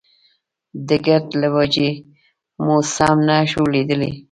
د ګرد له وجې مو سم نه شو ليدلی.